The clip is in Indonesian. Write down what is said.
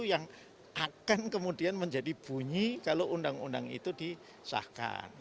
yang akan kemudian menjadi bunyi kalau undang undang itu disahkan